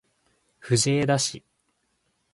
藤枝市